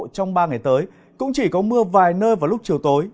trong ba ngày tới cũng chỉ có mưa vài nơi vào lúc chiều tối